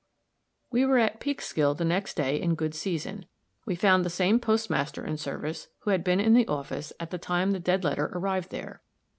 We were at Peekskill the next day in good season. We found the same postmaster in service who had been in the office at the time the dead letter arrived there.